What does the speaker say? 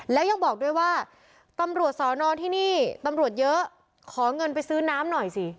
แล้วยังบอกด้วยว่าตำรวจสอนอนที่นี่ตำรวจเยอะขอเงินไปซื้อน้ำหน่อยสิ